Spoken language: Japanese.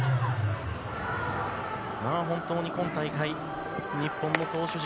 本当に今大会、日本の投手陣